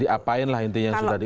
diapain lah intinya yang sudah di